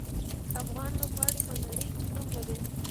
افغان لوبغاړي په نړۍ کې نوم لري.